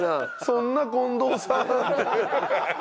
「そんなあ近藤さん」って。